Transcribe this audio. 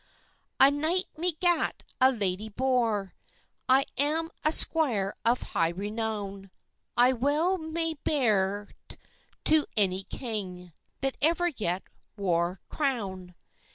"A knight me gat, a ladye bore, I am a squire of high renown; I well may bear't to any king That ever yet wore crown."